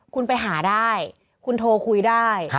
คุณไปหาได้คุณโทรคุยได้